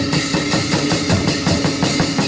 สวัสดีสวัสดี